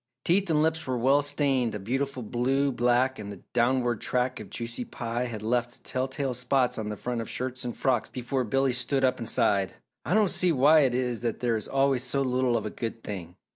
Teeth and lips were well stained a beautiful blue black and the downward track of juicy pie had left telltale spots on the front of shirts and frocks before Billy stood up and sighed. "I don't see why it is that there is always so little of a good thing!